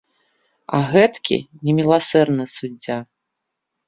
А гэтакі неміласэрны суддзя.